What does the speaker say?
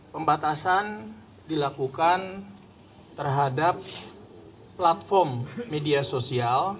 pembatasan dilakukan terhadap platform media sosial